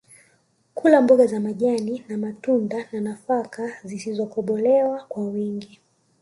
Kula mboga za majani na matunda na nafaka zisizokobolewa kwa wingi